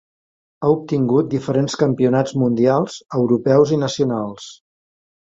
Ha obtingut diferents campionats mundials, europeus i nacionals.